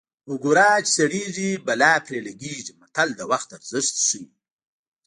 اوګره چې سړېږي بلا پرې لګېږي متل د وخت ارزښت ښيي